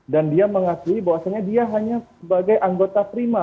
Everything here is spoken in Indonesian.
dan dia mengakui bahwasannya dia hanya sebagai anggota prima